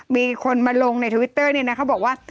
มีคนมาลงในทวิตเตอร์เขาบอกว่า